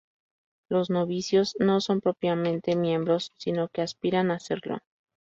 Los "novicios" no son propiamente miembros sino que aspiran a serlo.